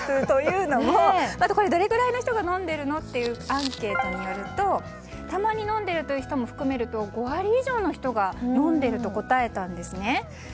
というのも、どれぐらいの人が飲んでいるの？というアンケートによるとたまに飲んでいる人も含めると５割以上の人が飲んでいると答えたんですね。